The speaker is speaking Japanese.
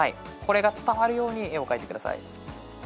これが伝わるように絵を描いてください。